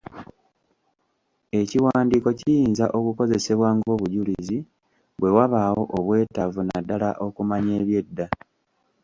Ekiwandiiko kiyinza okukozesebwa ng'obujulizi bwe wabaawo obwetaavu naddala okumanya eby'edda.